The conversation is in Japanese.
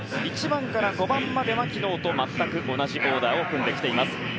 １番から５番までは昨日と全く同じオーダーを組んできています。